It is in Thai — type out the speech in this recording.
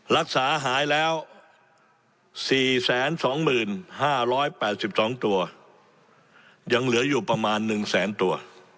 รักษาหายแล้ว๔๒๕๘๒ตัวยังเหลืออยู่ประมาณ๑แสนตัว